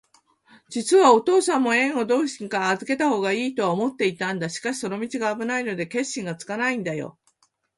じつはおとうさんも、緑をどっかへあずけたほうがいいとは思っていたんだ。しかし、その道があぶないので、決心がつかないんだよ。